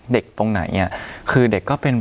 ตรงไหนคือเด็กก็เป็น